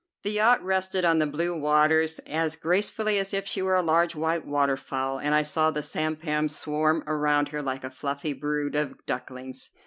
The yacht rested on the blue waters as gracefully as if she were a large white waterfowl, and I saw the sampans swarm around her like a fluffy brood of ducklings.